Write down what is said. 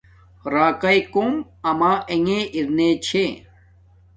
راکاݵ کوم اما انݣ ارنے چھے